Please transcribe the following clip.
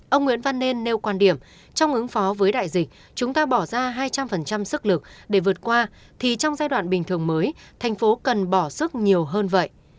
ông nguyễn văn nên nêu quan điểm trong ứng phó với đại dịch chúng ta bỏ ra hai trăm linh sức lực để vượt qua thì trong giai đoạn bình thường mới thành phố cần bỏ sức nhiều hơn vậy